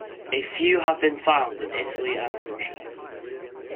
A few have been found in Italy and Russia.